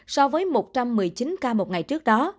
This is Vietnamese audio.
so với một trăm một mươi chín ca một ngày trước đó